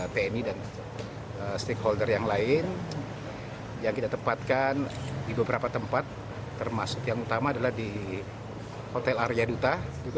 tni dan stakeholder yang lain yang kita tempatkan di beberapa tempat termasuk yang utama adalah di hotel arya duta